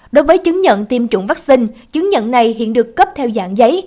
đối với chứng nhận tiêm chủng vaccine chứng nhận này hiện được cấp theo dạng giấy